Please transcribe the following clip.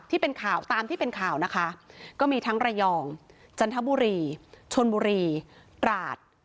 ที่เป็นข่าวตามที่เป็นข่าวนะคะก็มีทั้งระยองจันทบุรีชนบุรีตราด